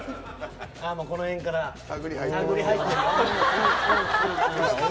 この辺から探り入ってるよ。